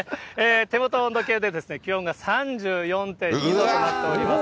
手元温度計で気温が３４．２度となっております。